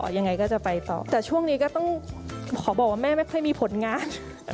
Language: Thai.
ยังไงก็จะไปต่อแต่ช่วงนี้ก็ต้องขอบอกว่าแม่ไม่ค่อยมีผลงาน